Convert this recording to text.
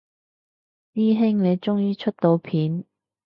師兄你終於出到片